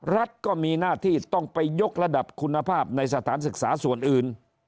รัฐก็มีหน้าที่ต้องไปยกระดับคุณภาพในสถานศึกษาส่วนอื่น